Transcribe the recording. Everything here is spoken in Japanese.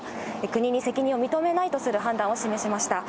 国に責任を認めないとする判断を示しました。